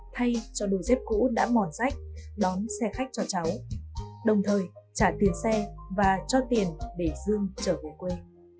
thay cho đôi dép cũ đã mòn rách đón xe khách cho cháu đồng thời trả tiền xe và cho tiền để dương trở về quê